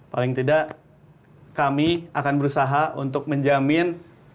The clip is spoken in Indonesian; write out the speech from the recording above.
paling tidak kami akan berusaha untuk menjamin